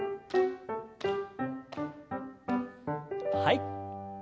はい。